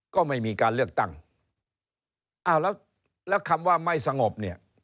ก็ไม่มีการเลือกตั้งอ้าวแล้วแล้วคำว่าไม่สงบเนี่ย